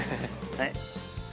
はい。